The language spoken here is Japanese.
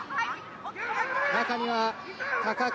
中には高木。